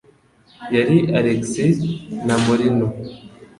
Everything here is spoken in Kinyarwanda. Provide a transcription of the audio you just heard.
Yari Alex na Morino.